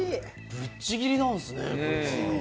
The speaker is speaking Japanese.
ぶっちぎりなんですね。